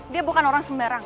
dia bukan orang sembarangan